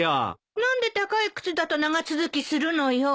何で高い靴だと長続きするのよ。